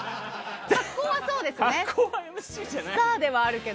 格好はそうですね。